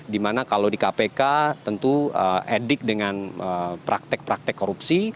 dimana kalau di kpk tentu edik dengan praktek praktek korupsi